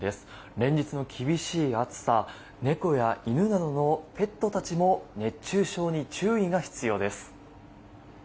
連日の厳しい暑さ猫や犬などのペットたちも熱中症に注意が必要です。